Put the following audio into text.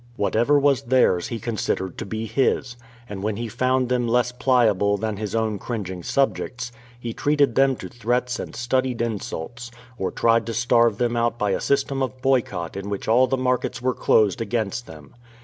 Whatever was theirs he considered to be his, and when he found them less pliable than his own cringing subjects, he treated them to threats and studied insults, or tried to starve them out by a system of boycott in which all the markets were closed against them.